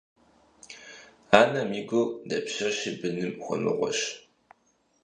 Анэм и гур дапщэщи быным хуэмыгъуэщ.